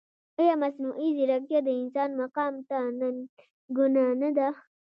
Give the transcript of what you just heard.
ایا مصنوعي ځیرکتیا د انسان مقام ته ننګونه نه ده؟